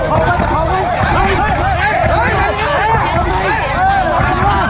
สวัสดีครับทุกคน